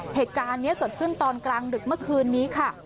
เหตุการณ์นี้เกิดขึ้นตอนกลางดึกเมื่อคืนนี้ค่ะ